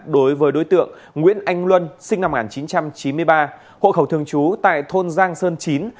đối với đối tượng nguyễn anh luân sinh năm một nghìn chín trăm chín mươi ba hộ khẩu thường trú tại thôn giang sơn chín